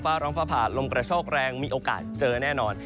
ร้องฟ้าผ่าลมกระโชคแรงมีโอกาสเจอแน่นอน